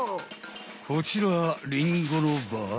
こちらリンゴのばあい。